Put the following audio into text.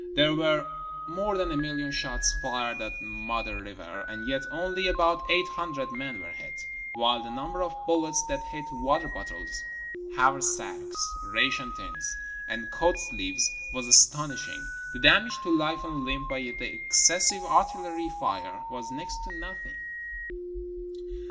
There were more than a million shots fired at Modder River, and yet only about eight hundred men were hit; while the number of bullets that hit water bottles, haversacks, ration tins, and coat sleeves was astonishing. The damage to life and limb by the exces sive artillery fire was next to nothing.